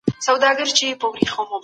بدبختۍ اصلي لامل ګرځېدلي دي. د نجونو د